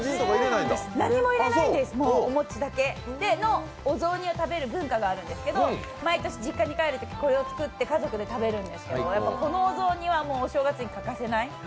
何にも入れないんです、お餅だけのお雑煮を食べる文化があるんですけど毎年実家に帰るときこれを作って家族で食べるんですけどこのお雑煮はお正月に欠かせない。